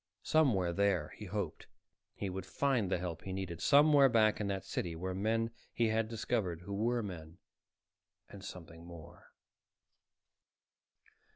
Somewhere there, he hoped, he would find the help he needed. Somewhere back in that city were men he had discovered who were men and something more.